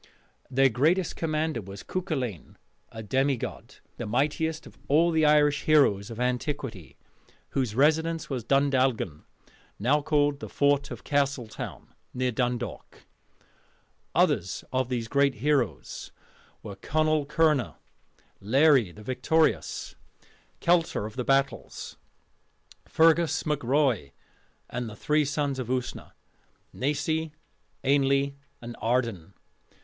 Their greatest commander was Cuculainn, a demigod, the mightiest of all the Irish heroes of antiquity, whose residence was Dundalgan, now called the Fort of Castletown, near Dundalk. Others of these great heroes were Conall Kernagh, Laery the Victorious, Keltar of the Battles, Fergus mac Roy, and the three Sons of Usna Naisi, Ainnle, and Ardan.